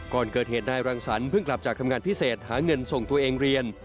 ก่อนเกิดเหตุนายรังสรรคเพิ่งกลับจากทำงานพิเศษหาเงินส่งตัวเองเรียน